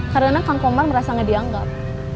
karena kang komar merasa gak dianggap